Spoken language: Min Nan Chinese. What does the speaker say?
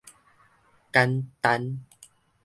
蕳砃